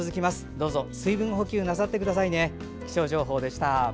どうぞ水分補給なさってくださいね。